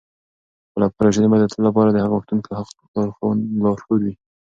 خلفای راشدین به د تل لپاره د حق غوښتونکو خلکو لارښود وي.